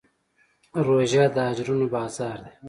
روژه د اجرونو بازار دی.